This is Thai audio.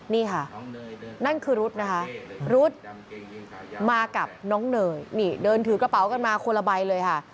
นี่ค่ะนั่นคือรุ๊ดนะคะรุ๊ดมากับน้องเนยนี่เดินถือกระเป๋ากันมาคนละใบเลยค่ะ